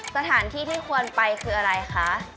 สถานที่ที่ควรไปคืออะไรคะ